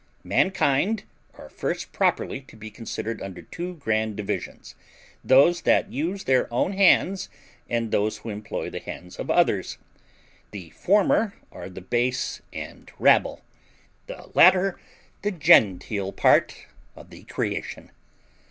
Mankind are first properly to be considered under two grand divisions, those that use their own hands, and those who employ the hands of others. The former are the base and rabble; the latter, the genteel part of the creation.